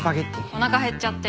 おなか減っちゃって。